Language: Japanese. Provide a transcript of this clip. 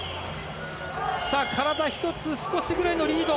体１つ少しくらいのリード。